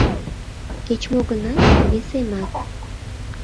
Кеч-мо гынат весемат.